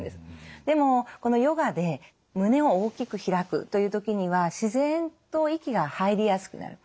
でもこのヨガで胸を大きく開くという時には自然と息が入りやすくなる。